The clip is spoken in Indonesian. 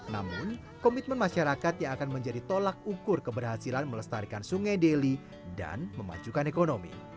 namun komitmen masyarakat yang akan menjadi tolak ukur keberhasilan melestarikan sungai deli dan memajukan ekonomi